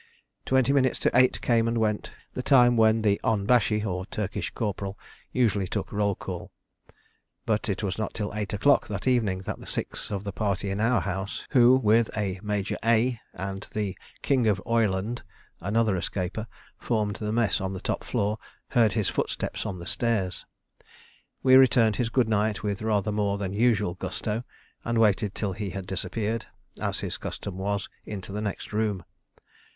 Twenty minutes to eight came and went, the time when the onbashi, or Turkish corporal, usually took roll call; but it was not till eight o'clock that evening that the six of the party in our house, who, with a Major A and the "King of Oireland," another escaper, formed the mess on the top floor, heard his footsteps on the stairs. We returned his good night with rather more than usual gusto, and waited till he had disappeared, as his custom was, into the next room.